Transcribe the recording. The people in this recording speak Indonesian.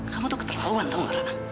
kamu tuh keterlaluan tau gak